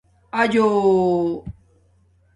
آجݸ